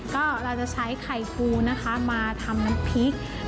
ก็เราจะใช้ไข่ฟูนะคะมาทำน้ำพริก